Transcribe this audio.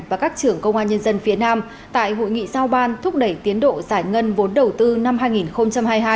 và các trưởng công an nhân dân phía nam tại hội nghị giao ban thúc đẩy tiến độ giải ngân vốn đầu tư năm hai nghìn hai mươi hai